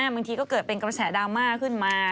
บางทีก็เกิดเป็นกระแสดราม่าขึ้นมา